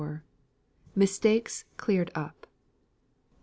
MISTAKES CLEARED UP.